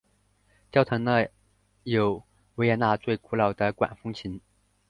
教堂内有维也纳最古老的管风琴。